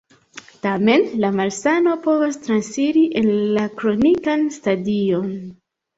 Tamen la malsano povas transiri en la kronikan stadion.